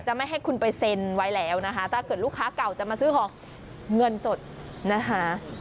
ไม่ให้คุณไปเซ็นไว้แล้วนะคะถ้าเกิดลูกค้าเก่าจะมาซื้อของเงินสดนะคะ